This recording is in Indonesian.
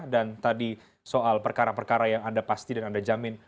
dan tadi soal perkara perkara yang anda pasti dan anda jamin